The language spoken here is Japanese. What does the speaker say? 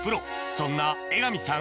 そんな江上さん